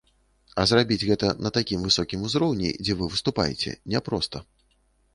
А зрабіць гэта на такім высокім узроўні, дзе вы выступаеце, няпроста.